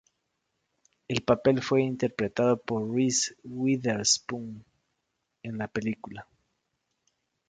El papel fue interpretado por Reese Witherspoon en la película.